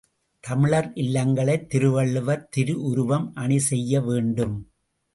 தமிழர் இல்லங்களைத் திருவள்ளுவர் திருவுருவம் அணிசெய்ய வேண்டும்.